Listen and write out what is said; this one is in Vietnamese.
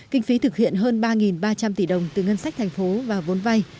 kinh phí thực hiện hơn ba ba trăm linh tỷ đồng từ ngân sách thành phố và vốn vay